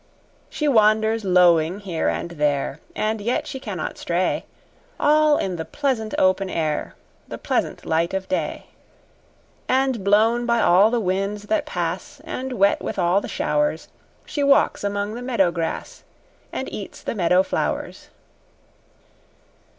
She wanders lowing here and there, And yet she cannot stray, All in the pleasant open air, The pleasant light of day; And blown by all the winds that pass And wet with all the showers, She walks among the meadow grass And eats the meadow flowers.